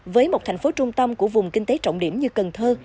với một thành phố trung tâm của vùng kinh tế trọng điểm như cần thơ